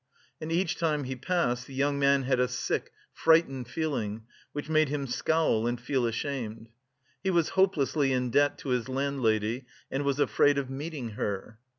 And each time he passed, the young man had a sick, frightened feeling, which made him scowl and feel ashamed. He was hopelessly in debt to his landlady, and was afraid of meeting her.